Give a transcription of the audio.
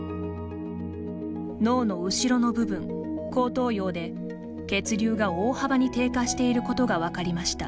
脳の後ろの部分、後頭葉で血流が大幅に低下していることが分かりました。